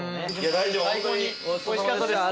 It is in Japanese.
最高においしかったです。